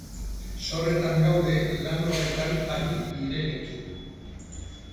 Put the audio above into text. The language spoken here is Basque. Zorretan gaude lan horretan ari direnekin.